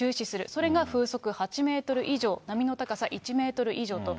それが風速８メートル以上、波の高さ１メートル以上と。